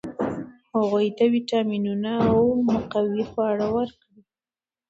هغوی ته ویټامینونه او مقوي خواړه ورکړئ.